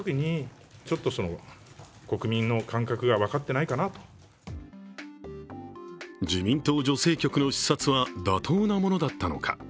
野党側からは自民党女性局の視察は妥当なものだったのか。